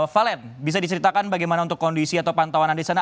valen bisa diseritakan bagaimana untuk kondisi atau pantauan anda disana